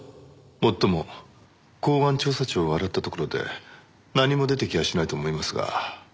もっとも公安調査庁を洗ったところで何も出てきやしないと思いますが。